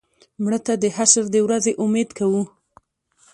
مړه ته د حشر د ورځې امید کوو